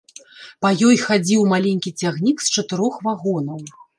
Па ёй хадзіў маленькі цягнік з чатырох вагонаў.